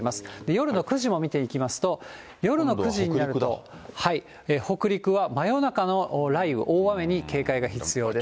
夜の９時も見てみますと、夜の９時になると、北陸は真夜中の雷雨、大雨に警戒が必要です。